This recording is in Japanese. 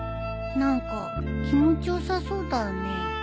何か気持ち良さそうだねえ。